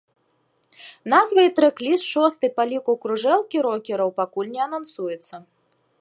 Назва і трэк-ліст шостай па ліку кружэлкі рокераў пакуль не анансуюцца.